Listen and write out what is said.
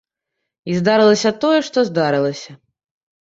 І здарылася тое, што здарылася.